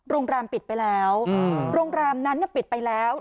โรงแรมปิดไปแล้วโรงแรมนั้นปิดไปแล้ว